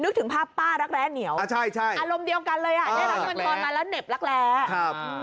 ถึงภาพป้ารักแร้เหนียวอ่าใช่ใช่อารมณ์เดียวกันเลยอ่ะได้รับเงินทอนมาแล้วเหน็บรักแร้ครับ